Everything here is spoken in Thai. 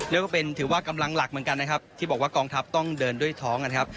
ถือว่ากำลังหลักเหมือนกันนะครับที่บอกว่ากองทัพต้องเดินด้วยท้องนะครับ